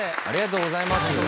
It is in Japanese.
ありがとうございます。